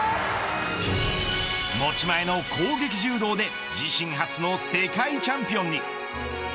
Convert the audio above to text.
持ち前の攻撃柔道で自身初の世界チャンピオンに。